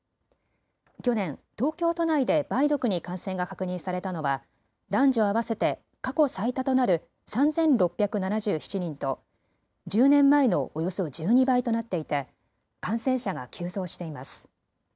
去年、東京都内で梅毒に感染が確認されたのは男女合わせて過去最多となる３６７７人と１０年前のおよそ１２倍となっていて感染者が急増しています。